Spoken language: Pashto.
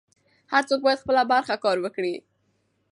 هر څوک بايد خپله برخه کار وکړي.